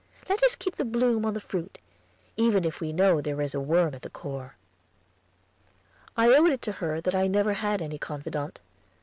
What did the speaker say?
Let us keep the bloom on the fruit, even if we know there is a worm at the core." I owed it to her that I never had any confidante.